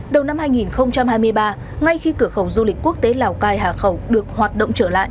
đầu năm hai nghìn hai mươi ba ngay khi cửa khẩu du lịch quốc tế lào cai hà khẩu được hoạt động trở lại